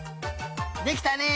できたね！